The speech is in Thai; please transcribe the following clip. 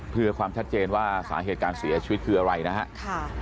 เพื่อความชัดเจนว่าสาเหตุการเสียชีวิตคืออะไรนะครับ